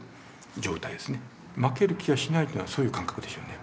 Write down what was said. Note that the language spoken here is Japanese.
負ける気がしないというのはそういう感覚でしょうね。